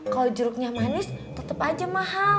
kalau jeruknya manis tetap aja mahal